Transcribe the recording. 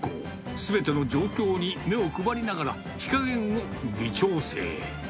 すべての状況に目を配りながら、火加減を微調整。